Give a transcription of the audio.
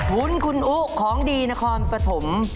วุ้นคุณอุของดีนครปฐม